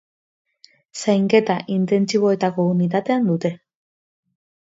Zainketa intentsiboetako unitatean dute.